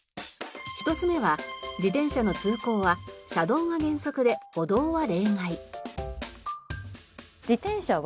１つ目は自転車の通行は車道が原則で歩道は例外。